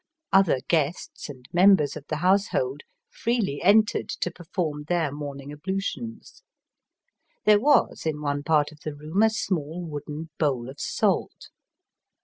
Other guests and members of the household freely entered to perform their morning ablu tions. There was in one part of the room a small wooden bowl of salt.